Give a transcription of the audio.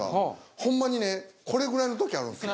ほんまにねこれぐらいの時あるんすよ。